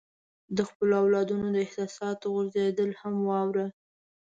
د خپلو اولادونو د احساساتو غورځېدل هم واوره.